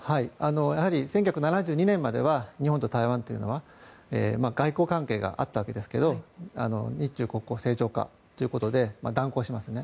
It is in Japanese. やはり、１９７２年までは日本と台湾というのは外交関係があったわけですが日中国交正常化ということで断交しますね。